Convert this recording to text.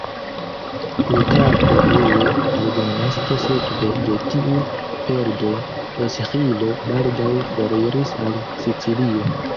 Plutarko plue aldonas ke sekve de tiu perdo Esĥilo baldaŭ foriris al Sicilio.